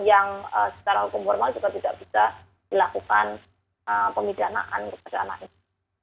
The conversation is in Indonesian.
yang secara hukum formal juga tidak bisa dilakukan pemidanaan kepada anak ini